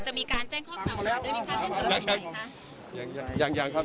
จะมีการแจ้งข้อมูลด้วยไหมครับ